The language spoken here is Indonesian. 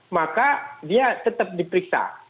maka dia tetap diperiksa